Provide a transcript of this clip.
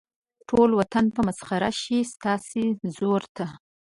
ټول وطن به مسخر شي ستاسې زور ته.